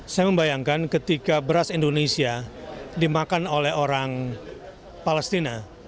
saya membayangkan ketika beras indonesia dimakan oleh orang palestina